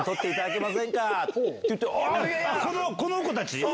この子たち？